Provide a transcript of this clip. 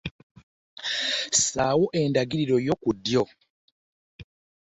Ssaawo endagiriro yo ku ddyo.